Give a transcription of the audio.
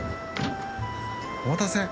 「お待たせ」。